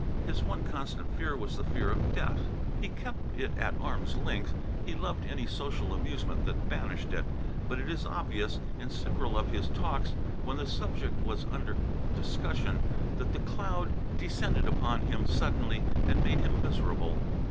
His one constant fear was the fear of death. He kept it at arm's length, he loved any social amusement that banished it, but it is obvious, in several of his talks, when the subject was under discussion, that the cloud descended upon him suddenly and made him miserable.